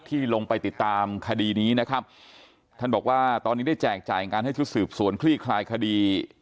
ที่ลงไปติดตามคดีนี้นะครับท่านบอกว่าตอนนี้ได้แจกจ่ายงานให้ชุดสืบสวนคลี่คลายคดี